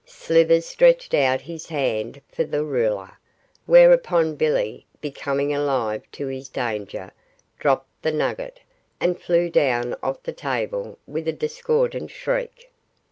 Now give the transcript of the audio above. Slivers stretched out his hand for the ruler, whereupon Billy, becoming alive to his danger, dropped the nugget, and flew down off the table with a discordant shriek.